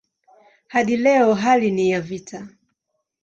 Hadi leo hali ni ya vita.